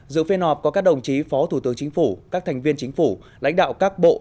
dự phiên họp có các đồng chí phó thủ tướng chính phủ các thành viên chính phủ lãnh đạo các bộ